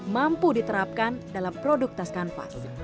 mampu diterapkan dalam produk tas kanvas